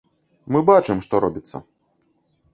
Мы бачым, што робіцца.